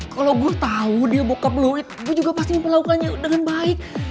kalau gue tau dia bokap lo gue juga pasti mau melakukannya dengan baik